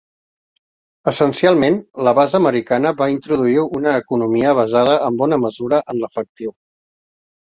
Essencialment, la base americana va introduir una economia basada en bona mesura en l'efectiu.